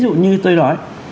ví dụ như tôi nói